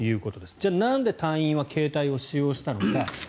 じゃあなんで隊員は携帯を使用したのか。